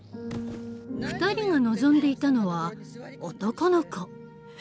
２人が望んでいたのは男の子。